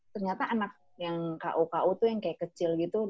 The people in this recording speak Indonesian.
ternyata anak yang ku ku tuh yang kayak kecil gitu